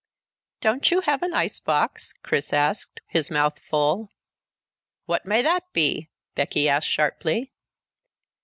"Don't you have an icebox?" Chris asked, his mouth full. "What may that be?" Becky asked sharply.